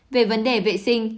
về vấn đề vệ sinh